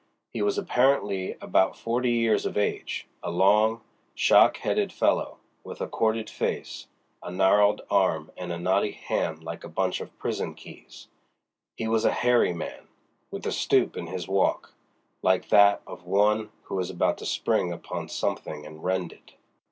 He was apparently about forty years of age, a long, shock headed fellow, with a corded face, a gnarled arm and a knotty hand like a bunch of prison keys. He was a hairy man, with a stoop in his walk, like that of one who is about to spring upon something and rend it.